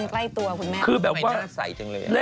คนใกล้ตัวคุณแม่ทำไมหน้าใสจังเลย